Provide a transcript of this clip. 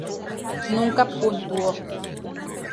Nunca puntuó.